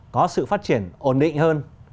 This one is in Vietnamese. có sự phát triển ổn định hơn